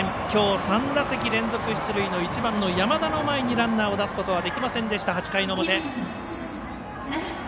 今日３打席連続出塁の一塁の山田の前にランナーを出すことはできませんでした、８回の表。